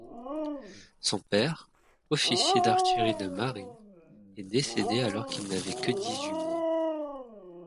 Son père, officier d’artillerie de marine, est décédé alors qu’il n’avait que dix-huit mois.